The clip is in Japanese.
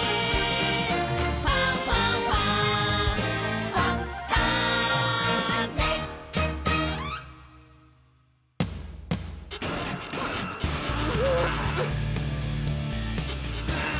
「ファンファンファン」ふん！